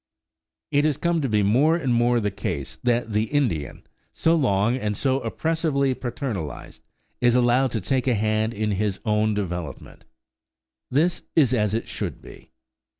It has come to be more and more the case that the Indian, so long and so oppressively paternalized, is allowed to take a hand in his own development. This is as it should be.